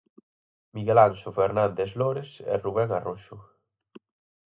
Miguel Anxo Fernández Lores e Rubén Arroxo.